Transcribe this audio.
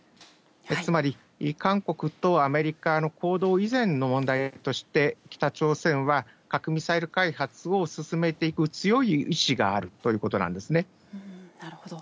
つまり、韓国とアメリカの行動以前の問題として、北朝鮮は核・ミサイル開発を進めていく強い意思があるということなるほど。